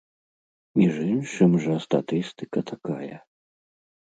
Між іншым жа статыстыка такая.